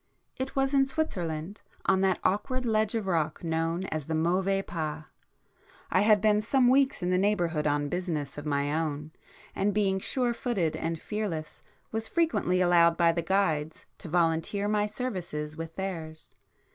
It was in Switzerland, on that awkward ledge of [p 103] rock known as the Mauvais Pas. I had been some weeks in the neighbourhood on business of my own, and being surefooted and fearless, was frequently allowed by the guides to volunteer my services with theirs.